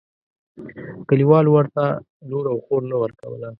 کلیوالو ورته لور او خور نه ورکوله.